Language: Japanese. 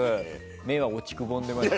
目は落ちくぼんでいました。